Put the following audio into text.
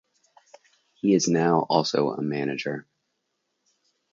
He is now also a manager.